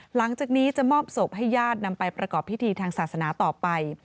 หลังจากนี้จะมอบศพให้ญาตินำไปประกอบพิธีทางศาสนาต่อไป